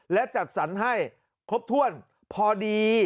และจัดสรรให้ครบถ้วนพอดี